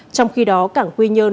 trong khi đó cảng quy nhơn